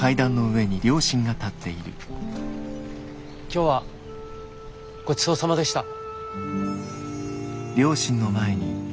今日はごちそうさまでした。